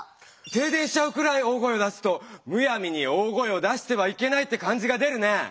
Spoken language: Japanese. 停電しちゃうくらい大声を出すと「むやみに大声を出してはいけない」って感じが出るね。